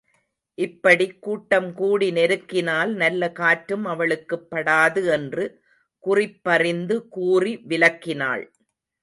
இப்படிக் கூட்டம்கூடி நெருக்கினால் நல்ல காற்றும் அவளுக்குப்படாது என்று குறிப்பறிந்து கூறி விலக்கினாள்.